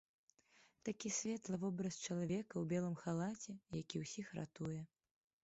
Такі светлы вобраз чалавека ў белым халаце, які ўсіх ратуе.